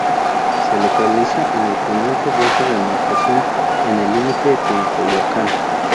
Se localiza en el poniente de esa demarcación, en el límite con Coyoacán.